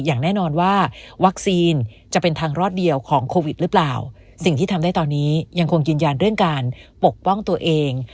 อย่างแน่นอนว่าวัคซีนจะเป็นทางรอดเดียวของโควิดหรือเปล่าสิ่งที่ทำได้ตอนนี้ยังคงยืนยันเรื่องการปกป้องตัวเอง